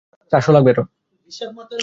আপনি কি এটা ঠিক করতে পারবেন না, ডাক্তার?